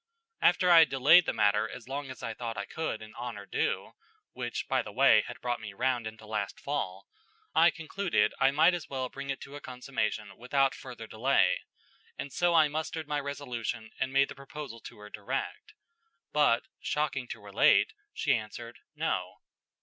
After I had delayed the matter as long as I thought I could in honor do (which, by the way, had brought me round into last fall), I concluded I might as well bring it to a consummation without further delay, and so I mustered my resolution and made the proposal to her direct; but, shocking to relate, she answered, No.